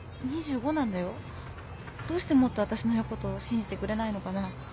どうしてもっとわたしの言うこと信じてくれないのかな？